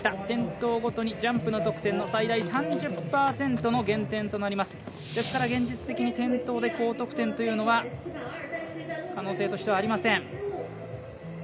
転倒ごとにジャンプの得点の最大３０％の減点となります、ですから現実的に転倒で高得点というのは可能性としてはありません。